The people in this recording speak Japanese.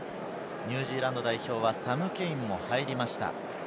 ニュージーランド代表はサム・ケインも入りました。